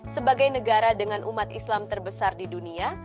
sebagai negara dengan umat islam terbesar di dunia